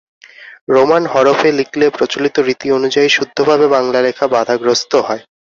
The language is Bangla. রোমান হরফে লিখলে প্রচলিত রীতি অনুযায়ী শুদ্ধভাবে বাংলা লেখা বাধাগ্রস্ত হয়।